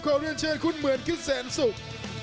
ขอเรียนเชิญคุณเหมือนคิดแสนสุข